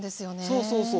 そうそうそう。